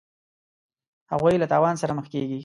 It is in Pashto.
هغوی له تاوان سره مخ کیږي.